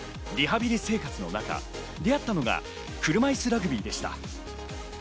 リハビリ生活の中、出合ったのが車いすラグビー。